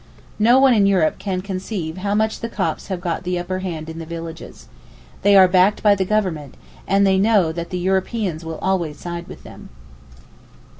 No one in Europe can conceive how much the Copts have the upper hand in the villages. They are backed by the Government, and they know that the Europeans will always side with them.